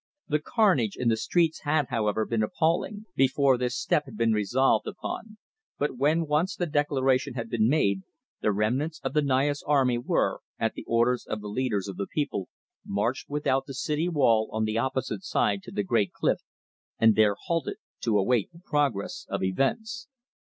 The carnage in the streets had, however, been appalling, before this step had been resolved upon, but when once the declaration had been made, the remnants of the Naya's army were, at the orders of the leaders of the people, marched without the city wall on the opposite side to the great cliff, and there halted to await the progress of events.